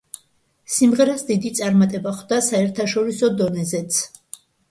სიმღერას დიდი წარმატება ხვდა საერთაშორისო დონეზეც.